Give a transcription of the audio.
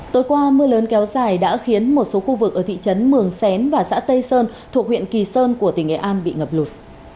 tối qua mưa lớn kéo dài đã khiến một số khu vực ở thị trấn mường xén và xã tây sơn thuộc huyện kỳ sơn của tỉnh nghệ an bị ngập lụt